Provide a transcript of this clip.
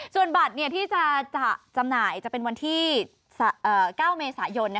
ส่วนบัตรที่จะจำหน่ายจะเป็นวันที่๙เมษายน